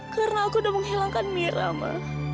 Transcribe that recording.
karena aku udah menghilangkan mira